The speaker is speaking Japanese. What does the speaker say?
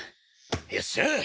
よっしゃ！